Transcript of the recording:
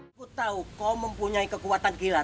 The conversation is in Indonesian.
aku tahu kau mempunyai kekuatan gila